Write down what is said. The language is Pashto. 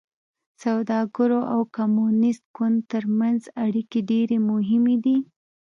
سوداګرو او کمونېست ګوند ترمنځ اړیکې ډېرې مهمې دي.